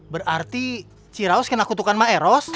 berarti ciraus kena kutukan maeros